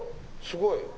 すごい。